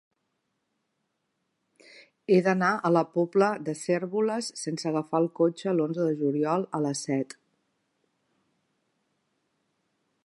He d'anar a la Pobla de Cérvoles sense agafar el cotxe l'onze de juliol a les set.